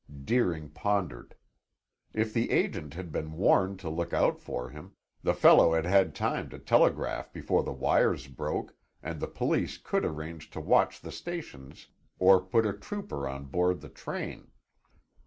Deering pondered. If the agent had been warned to look out for him, the fellow had had time to telegraph before the wires broke, and the police could arrange to watch the stations or put a trooper on board the train.